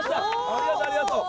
ありがとうありがとう。